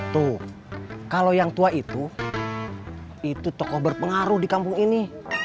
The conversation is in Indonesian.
tuh kalau yang tua itu itu tokoh berpengaruh di kampung ini